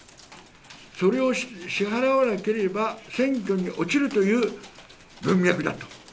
それを支払わなければ選挙に落ちるという文脈だと。